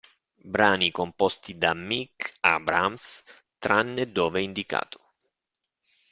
Brani composti da Mick Abrahams, tranne dove indicato